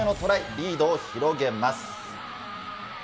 リードを広げます。